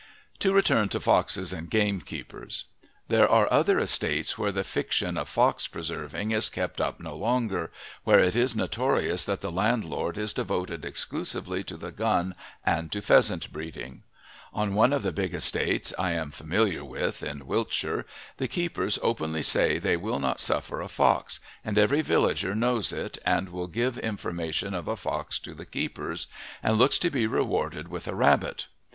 To return to foxes and gamekeepers. There are other estates where the fiction of fox preserving is kept up no longer, where it is notorious that the landlord is devoted exclusively to the gun and to pheasant breeding. On one of the big estates I am familiar with in Wiltshire the keepers openly say they will not suffer a fox, and every villager knows it and will give information of a fox to the keepers, and looks to be rewarded with a rabbit.